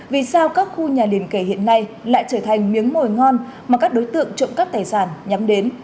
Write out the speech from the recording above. vì sao các khu nhà liền kề hiện nay lại trở thành miếng mồi ngon mà các đối tượng trộm cắp tài sản nhắm đến